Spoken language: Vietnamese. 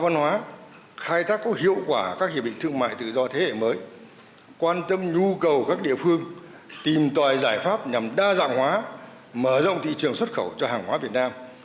nhiệm vụ của các hiệp định thương mại tự do thế hệ mới quan tâm nhu cầu các địa phương tìm tòi giải pháp nhằm đa dạng hóa mở rộng thị trường xuất khẩu cho hàng hóa việt nam